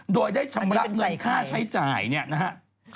โดยได้ชำระเงินค่าใช้จ่ายเนี่ยนะฮะอันนี้เป็นใส่ใคร